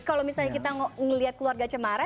kalau misalnya kita melihat keluarga cemara